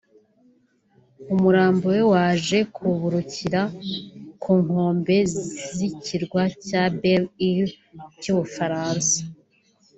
umurambo we waje kuburukira ku nkombe z’ikirwa cya “Belle Ile” cy’u Bufaransa